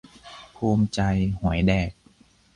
ภูมิใจ หวยแดก